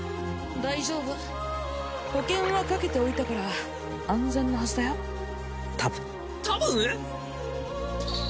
大丈夫保険はかけておいたから安全なはずだよたぶんたぶん？